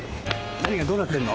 何がどうなってんの？